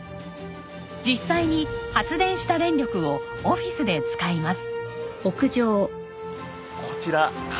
実際に発電した電力をオフィスで使います。